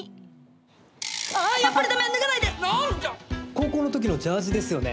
高校の時のジャージですよね。